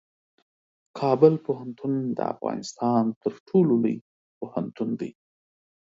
کابل پوهنتون د افغانستان تر ټولو لوی پوهنتون دی.